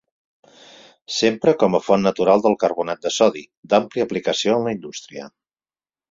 S'empra com a font natural del carbonat de sodi, d'àmplia aplicació en la indústria.